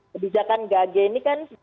kebijakan gage ini kan